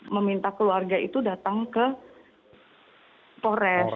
meminta keluarga itu datang ke pores